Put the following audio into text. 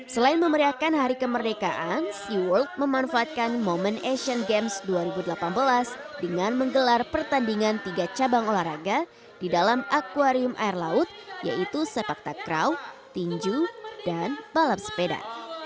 selain memeriahkan hari kemerdekaan sea world memanfaatkan momen asian games dua ribu delapan belas dengan menggelar pertandingan tiga cabang olahraga di dalam akwarium air laut yaitu sepak takraw tinju dan balap sepeda